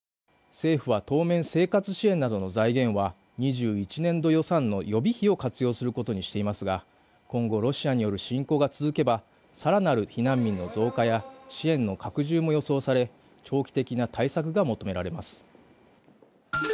政府は当面、生活支援などの財源は２１年度予算の予備費を活用することにしていますが、今後ロシアによる侵攻が続けば、更なる避難民の増加や支援の拡充も予想され長期的な対策が求められます。